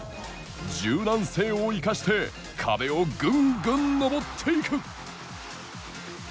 柔軟性を生かして壁をぐんぐん登っていく。